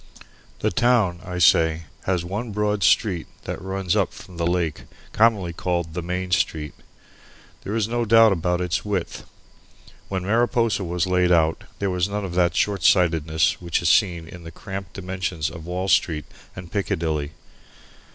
The town, I say, has one broad street that runs up from the lake, commonly called the Main Street. There is no doubt about its width. When Mariposa was laid out there was none of that shortsightedness which is seen in the cramped dimensions of Wall Street and Piccadilly.